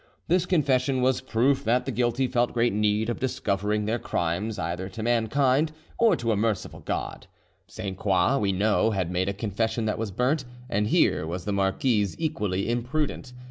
This confession was a proof that the guilty feel great need of discovering their crimes either to mankind or to a merciful God. Sainte Croix, we know, had made a confession that was burnt, and here was the marquise equally imprudent.